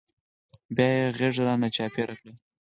بيا يې غېږ رانه چاپېره کړه.